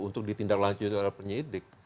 untuk ditindak lanjut oleh penyidik